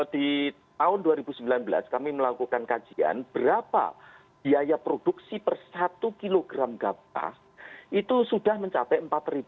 di tahun dua ribu sembilan belas kami melakukan kajian berapa biaya produksi per satu kg gabah itu sudah mencapai empat lima ratus